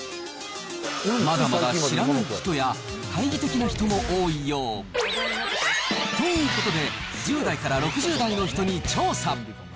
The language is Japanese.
まだまだ知らない人や懐疑的な人も多いよう。ということで、１０代から６０代の人に調査。